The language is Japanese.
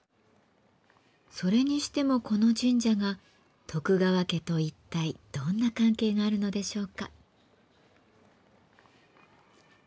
それにしてもこの神社が徳川家と一体どんな関係があるのでしょうか？